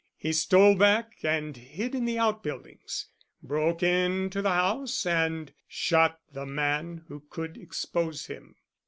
He stole back and hid in the outbuildings, broke into the house, and shot the man who could expose him."